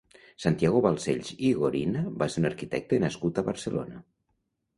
Santiago Balcells i Gorina va ser un arquitecte nascut a Barcelona.